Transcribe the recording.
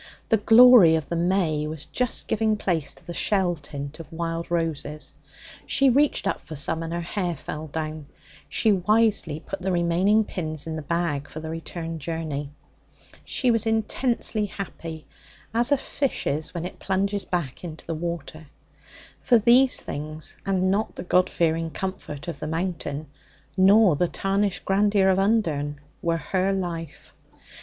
The glory of the may was just giving place to the shell tint of wild roses. She reached up for some, and her hair fell down; she wisely put the remaining pins in the bag for the return journey. She was intensely happy, as a fish is when it plunges back into the water. For these things, and not the God fearing comfort of the Mountain, nor the tarnished grandeur of Undern, were her life.